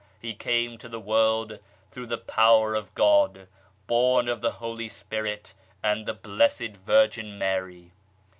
He came to the world through the Power of God, born of the Holy Spirit and of the blessed Virgin Mary.